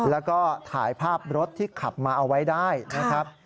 แล้วก็ถ่ายภาพรถที่ขับมาเอาไว้ได้นะครับ